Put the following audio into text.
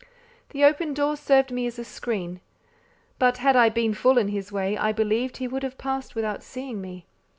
The open door served me as a screen; but had I been full in his way, I believe he would have passed without seeing me.